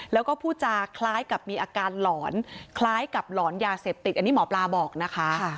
แล้วก็พูดจาคล้ายกับมีอาการหลอนคล้ายกับหลอนยาเสพติดอันนี้หมอปลาบอกนะคะ